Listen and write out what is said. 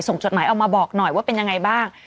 จดหมายออกมาบอกหน่อยว่าเป็นยังไงบ้าง